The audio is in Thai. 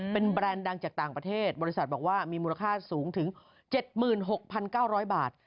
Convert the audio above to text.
เป็นแบรนด์ดังจากต่างประเทศบริษัทบอกว่ามีมูลค่าสูงถึง๗๖๙๐๐บาท